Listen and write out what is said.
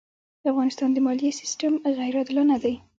د افغانستان د مالیې سېستم غیرې عادلانه دی.